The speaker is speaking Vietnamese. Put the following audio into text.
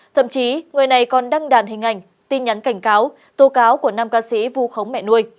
thậm chí người này còn đăng đàn hình ảnh tin nhắn cảnh cáo tô cáo của nam ca sĩ vu khống mẹ nuôi